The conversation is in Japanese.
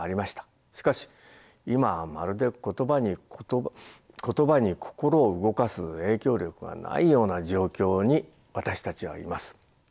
しかし今はまるで言葉に心を動かす影響力がないような状況に私たちはいます。